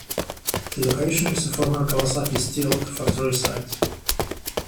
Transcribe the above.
The location is a former Kawasaki Steel factory site.